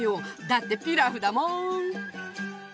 だってピラフだもん！